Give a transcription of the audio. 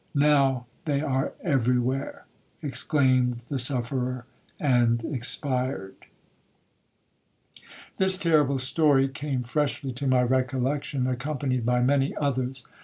'Now they are every where,' exclaimed the sufferer, and expired.1 1 Fact,—me ipso teste. 'This terrible story came freshly to my recollection, accompanied by many others.